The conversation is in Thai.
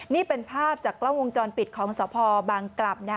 นี่เป็นภาพจากกล้องวงจรปิดของสพบางกลับ